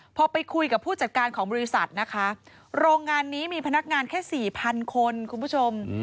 พอไปคุยกับผู้จัดการของบริษัทนะคะโรงงานนี้มีพนักงานแค่สี่พันคนคุณผู้ชม